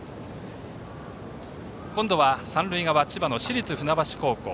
今度は三塁側千葉の市立船橋高校。